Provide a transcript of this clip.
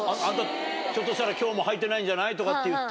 ひょっとしたら今日もはいてないんじゃない？とかって言って。